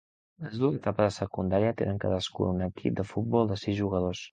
Les dues etapes de secundària tenen cadascuna un equip de futbol de sis jugadors.